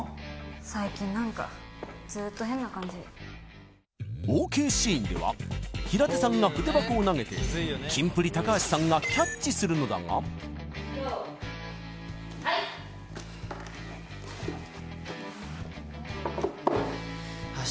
最近何かずーっと変な感じＯＫシーンでは平手さんが筆箱を投げてキンプリ・橋さんがキャッチするのだがはい明日